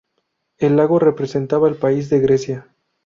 El lago representaba al país de Grecia.